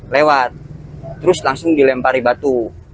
lewat terus langsung dilempari batu